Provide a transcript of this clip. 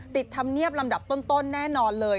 ติดทำเนียบลำดับต้นแน่นอนเลย